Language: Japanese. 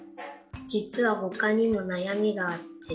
じつはほかにもなやみがあって。